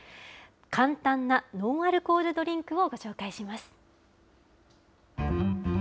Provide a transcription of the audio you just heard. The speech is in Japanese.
簡単なノンアルコールドリンクをご紹介します。